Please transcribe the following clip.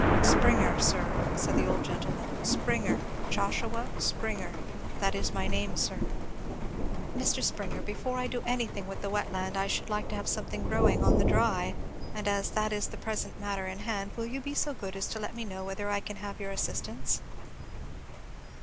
"Springer, sir," said the old gentleman, "Springer Joshua Springer. That is my name, sir." "Mr. Springer, before I do anything with the wet land I should like to have something growing on the dry; and as that is the present matter in hand will you be so good as to let me know whether I can have your assistance."